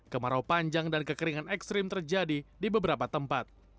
kemarau panjang dan kekeringan ekstrim terjadi di beberapa tempat